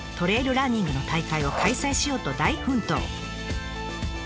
ランニングの大会を開催しようと大奮闘。